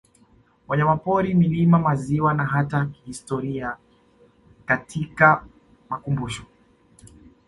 Wanyamapori milima maziwa na hata historia katika makumbusho